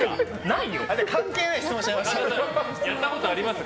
関係ない質問しちゃいました。